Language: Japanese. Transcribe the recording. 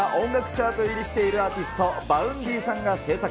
チャート入りしているアーティスト、バウンディさんが制作。